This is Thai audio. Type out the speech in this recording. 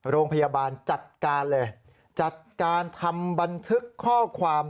โรงพยาบาลจัดการเลยจัดการทำบันทึกข้อความ